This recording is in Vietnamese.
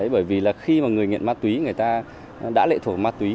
bởi vì là khi mà người nghiện ma túy người ta đã lệ thổi ma túy